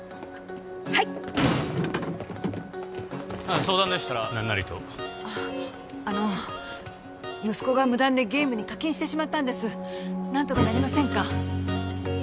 はいっあっ相談でしたら何なりとあっあの息子が無断でゲームに課金してしまったんです何とかなりませんか？